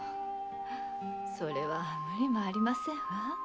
それは無理もありませんわ。